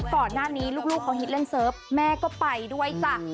ก่อนหน้านี้ลูกเขาฮิตเล่นเซิร์ฟแม่ก็ไปด้วยจ้ะ